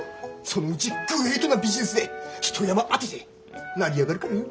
そのうちグレイトなビジネスで一山当てて成り上がるからよ。